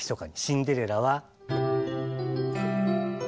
「シンデレラ」は。